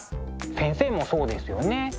先生もそうですよね。